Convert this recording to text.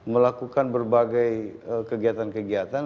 melakukan berbagai kegiatan kegiatan